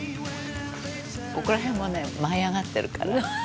「ここら辺もね舞い上がってるから」